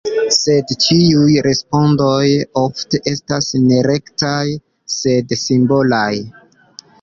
Sed tiuj respondoj ofte estas ne rektaj, sed simbolaj.